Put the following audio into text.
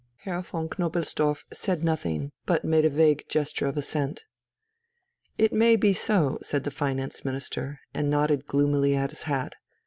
Herr von Knobelsdorff said nothing, but made a vague gesture of assent. "It may be so," said the Finance Minister, and nodded gloomily at his hat.